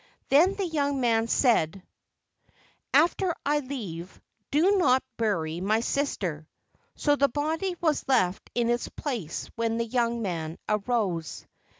Then the young man said, "After I leave, do not bury my sister." So the body was left in its place when the young man arose.